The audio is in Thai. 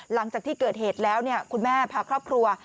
หลังจากที่เกิดเหตุแล้วคุณแม่พาครอบครัว